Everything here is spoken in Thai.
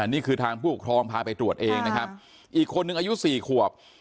นี่คือทางผู้ปกครองพาไปตรวจเองนะครับอีกคนนึงอายุ๔ขวบ